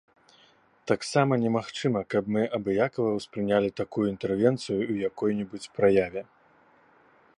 Таксама немагчыма каб мы абыякава ўспрынялі такую інтэрвенцыю ў якой-небудзь праяве.